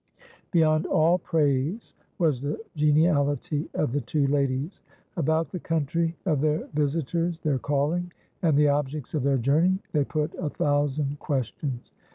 Beyond all praise was the geniality of the two ladies. About the country of their visitors, their calling, and the objects of their journey, they put a thousand questions.